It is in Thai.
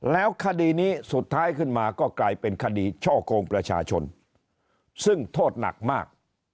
แล้วคดีนี้สุดท้ายขึ้นมาก็กลายเป็นคดีช่อกงประชาชนซึ่งโทษหนักมาก